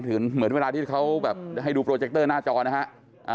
เหมือนเวลาที่เขาแบบให้ดูโปรเจคเตอร์หน้าจอนะฮะ